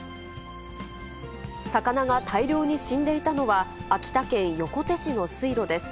魚が大量に死んでいたのは、秋田県横手市の水路です。